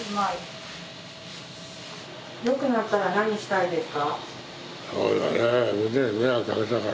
よくなったら何したいですか？